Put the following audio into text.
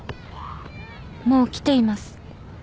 もう来ています。